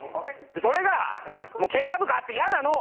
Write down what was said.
それがケンカとかあって嫌なの！